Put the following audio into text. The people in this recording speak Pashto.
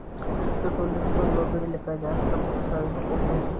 د ټولنې ټول وګړي له پیدایښت څخه مساوي حقوق لري.